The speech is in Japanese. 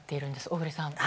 小栗さん。